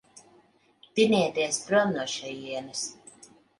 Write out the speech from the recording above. Tinieties prom no šejienes.